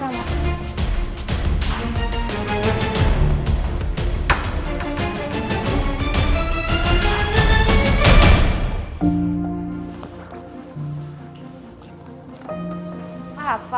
soekarno dari kasa holanda